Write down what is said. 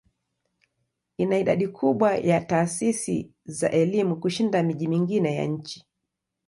Ina idadi kubwa ya taasisi za elimu kushinda miji mingine ya nchi.